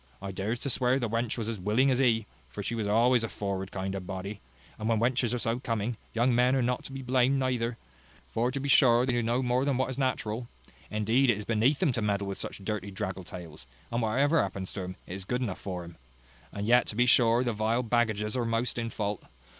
I dares to swear the wench was as willing as he; for she was always a forward kind of body. And when wenches are so coming, young men are not so much to be blamed neither; for to be sure they do no more than what is natural. Indeed it is beneath them to meddle with such dirty draggle tails; and whatever happens to them, it is good enough for them. And yet, to be sure, the vile baggages are most in fault.